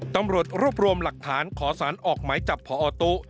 ตำรวจรวบรวมหลักฐานขอสารออกหมายจับพอตู้